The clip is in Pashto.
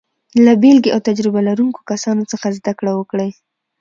له بېلګې او تجربه لرونکو کسانو څخه زده کړه وکړئ.